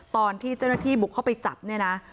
ตอนที่เจ้าหน้าที่บุกเข้าไปจับเนี่ยนะ